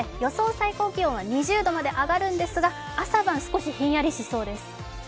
最高気温は２０度まで上がるんですが朝晩、少しひんやりしそうです。